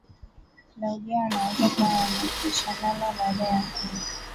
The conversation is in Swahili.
Klaudio anaweza kuwa amekwishalala baada ya kula